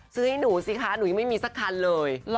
ให้หนูสิคะหนูยังไม่มีสักคันเลย